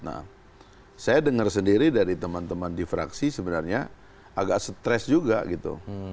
nah saya dengar sendiri dari teman teman di fraksi sebenarnya agak stres juga gitu